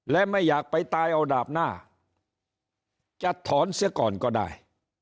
และไม่อยากไปตายเอาดาบหน้าจะถอนเสียก่อนก็ได้